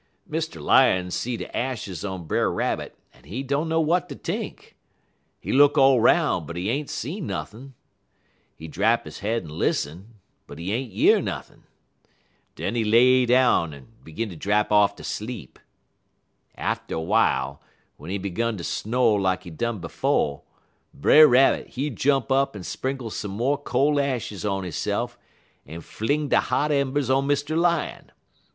_' "Mr. Lion see de ashes on Brer Rabbit, en he dunner w'at ter t'ink. He look all 'roun', but he ain't see nothin'. He drap he head en lissen, but he ain't year nothin'. Den he lay down 'g'in en drap off ter sleep. Atter w'ile, w'en he 'gun ter sno' lak he done befo', Brer Rabbit, he jump up en sprinkle some mo' cole ashes on hisse'f, en fling de hot embers on Mr. Lion.